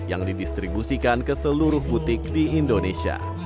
yang didistribusikan ke seluruh butik di indonesia